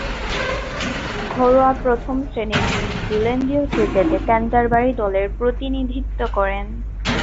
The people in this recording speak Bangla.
ঘরোয়া প্রথম-শ্রেণীর নিউজিল্যান্ডীয় ক্রিকেটে ক্যান্টারবারি দলের প্রতিনিধিত্ব করেন।